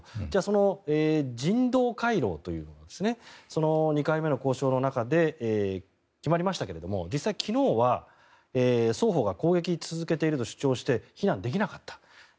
じゃあ人道回廊という２回目の交渉の中で決まりましたけれども実際に昨日は双方が攻撃を続けていると主張して避難できなかった。